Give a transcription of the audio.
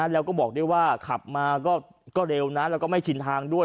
แล้วก็บอกด้วยว่าขับมาก็เร็วนะแล้วก็ไม่ชินทางด้วย